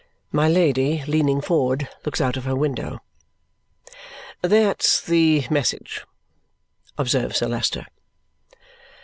'" My Lady, leaning forward, looks out of her window. "That's the message," observes Sir Leicester.